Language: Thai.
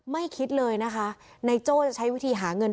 คิดเลยนะคะในโจ้จะใช้วิธีหาเงิน